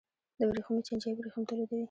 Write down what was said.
د ورېښمو چینجی ورېښم تولیدوي